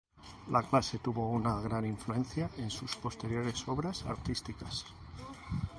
La clase tuvo una gran influencia en sus posteriores obras artísticas.